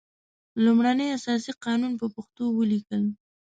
لومړنی اساسي قانون په پښتو ولیکل.